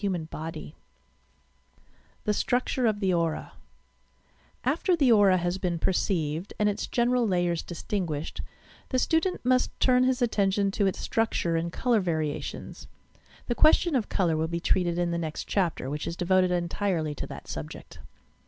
■ human body. YOUR PSYCHIC POWEKS THE STBUCTUEE OF THE AURA After the aura has been perceived, and its general layers distinguished, the student must turn hia attention to its structure and colour variations. The question of colour will be treated in the nest chapter, which is devoted entirely to that subject.